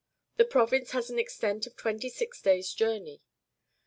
The province has an extent of 26 days' journey.